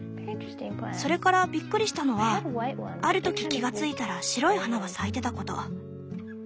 それからびっくりしたのはある時気が付いたら白い花が咲いてたこと。